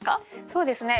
そうですね